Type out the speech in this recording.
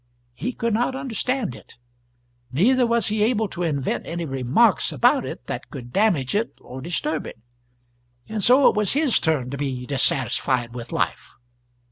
He could not understand it, neither was he able to invent any remarks about it that could damage it or disturb it. And so it was his turn to be dissatisfied with life.